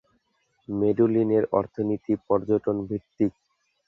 মেডুলিনের অর্থনীতি পর্যটন ভিত্তিক।